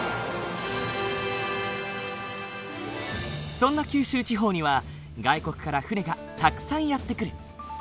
そんな九州地方には外国から船がたくさんやって来る。